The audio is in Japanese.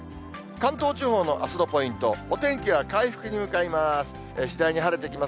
関東地方のあすのポイント、お天気は回復に向かいます。